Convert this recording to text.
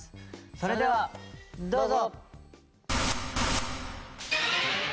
それではどうぞ！